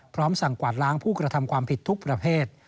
สั่งกวาดล้างผู้กระทำความผิดทุกประเภท